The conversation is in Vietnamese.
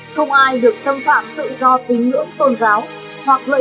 không ai được xâm phạm tự do tín ngưỡng tôn giáo hoặc lợi dụng tín ngưỡng tôn giáo để vi phạm pháp luận